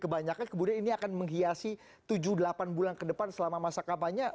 kebanyakan kemudian ini akan menghiasi tujuh delapan bulan ke depan selama masa kampanye